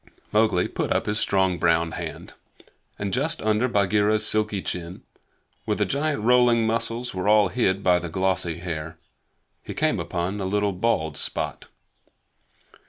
Mowgli put up his strong brown hand, and just under Bagheera's silky chin, where the giant rolling muscles were all hid by the glossy hair, he came upon a little bald spot.